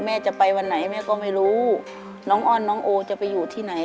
แม่จะไปวันไหนแม่ก็ไม่รู้น้องอ้อนน้องโอจะไปอยู่ที่ไหน